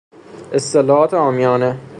اصطلاحات عامیانه